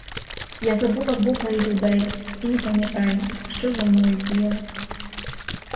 Я забула бога й людей і не пам'ятаю, що зо мною діялось.